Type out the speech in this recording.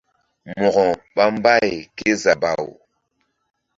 Mo̧ko ɓa mbay kézabaw.